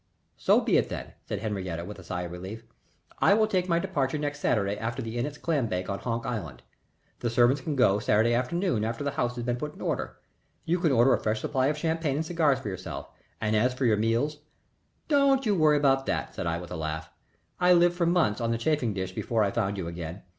"So be it then," said Henriette, with a sigh of relief. "I will take my departure next Saturday after the Innitt's clam bake on Honk Island. The servants can go Saturday afternoon after the house has been put in order. You can order a fresh supply of champagne and cigars for yourself, and as for your meals " "Don't you bother about that," said I, with a laugh. "I lived for months on the chafing dish before I found you again.